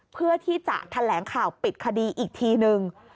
เพื่อที่จะแถลงข่าวปิดคดีอีกทีนึง